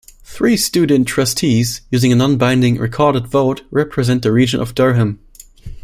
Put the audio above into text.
Three student trustees, using a non-binding, recorded vote, represent the region of Durham.